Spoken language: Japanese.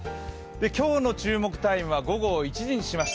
今日の注目タイムは午後１時にしました。